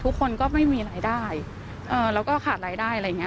ทุกคนก็ไม่มีรายได้แล้วก็ขาดรายได้อะไรอย่างเง